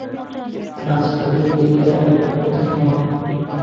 বাস্তবিক এটাই আমাদের প্রথম মঠ।